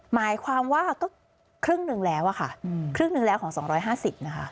หมายความว่าก็ครึ่งหนึ่งแล้วอะค่ะครึ่งหนึ่งแล้วของ๒๕๐นะคะ